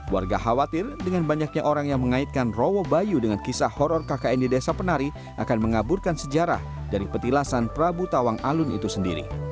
warga khawatir dengan banyaknya orang yang mengaitkan rowo bayu dengan kisah horror kkn di desa penari akan mengaburkan sejarah dari petilasan prabu tawang alun itu sendiri